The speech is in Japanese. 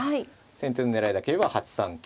先手の狙いだけ言えば８三香。